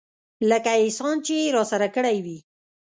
لکه احسان چې يې راسره کړى وي.